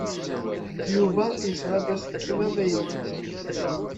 Yuba yesɣa-d aselkim amaynu.